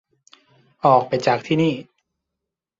ออกไปจากที่นี่